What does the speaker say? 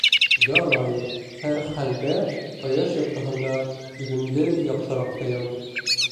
Ярай, һәр хәлдә, ҡояш яҡтыһында үҙемде яҡшыраҡ тоям.